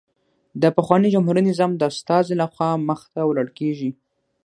د پخواني جمهوري نظام د استازي له خوا مخته وړل کېږي